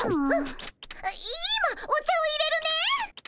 い今お茶をいれるね。